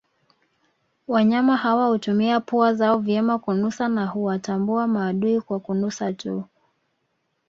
Wanyama hawa hutumia pua zao vyema kunusa na huwatambua maadui kwa kunusa tuu